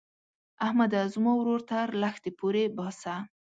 احمده؛ زما ورور تر لښتي پورې باسه.